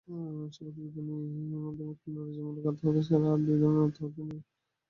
সমাজবিজ্ঞানী Emile Durkheim নৈরাজ্যমূলক আত্মহত্যা ছাড়াও আরও দুই ধরনের আত্মহত্যা নিয়ে আলোচনা করেন।